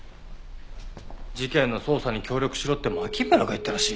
事件の捜査に協力しろって牧村が言ったらしい。